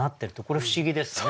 これは不思議ですね。